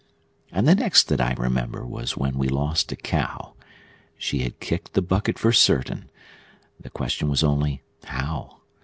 And the next that I remember was when we lost a cow; She had kicked the bucket for certain, the question was only How?